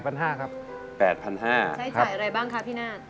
ใช้จ่ายอะไรบ้างคะพี่นาฏ